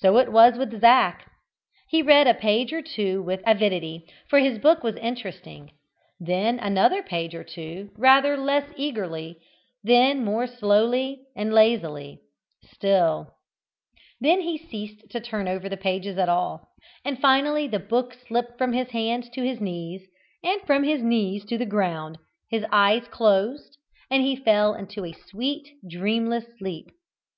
So it was with Zac. He read a page or two with avidity for his book was interesting then another page or two rather less eagerly, then more slowly and lazily still; then he ceased to turn over the pages at all, and finally the book slipped from his hands to his knees, and from his knees to the ground, his eyes closed, and he fell into a sweet, dreamless sleep.